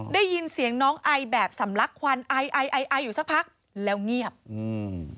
ได้ยินเสียงน้องไอแบบสำลักควันไอไอไอไออยู่สักพักแล้วเงียบอืม